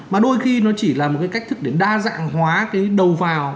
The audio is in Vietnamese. mà đôi khi nó chỉ là một cái cách thức để đa dạng hóa cái đầu vào